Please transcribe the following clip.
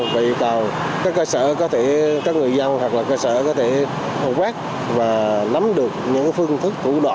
và yêu cầu các cơ sở có thể các người dân hoặc là cơ sở có thể quét và nắm được những phương thức thủ đoạn